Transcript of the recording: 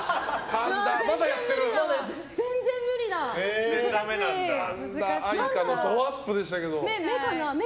神田愛花のドアップでしたけど。